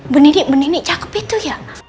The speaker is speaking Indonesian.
beninik beninik cakep itu ya